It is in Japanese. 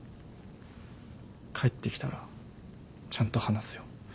帰ってきたらちゃんと話すよ。